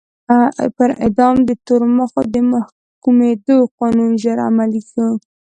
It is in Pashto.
پر اعدام د تورمخو د محکومېدو قانون ژر عملي شو.